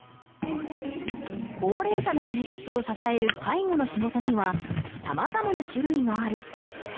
高齢者の生活を支える介護の仕事にはさまざまな種類がある。